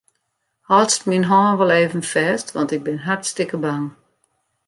Hâldst myn hân wol even fêst, want ik bin hartstikke bang.